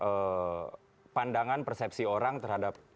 mempengaruhi pandangan persepsi orang terhadap pak jokowi